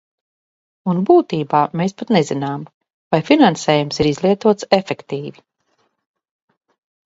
Un būtībā mēs pat nezinām, vai finansējums ir izlietots efektīvi.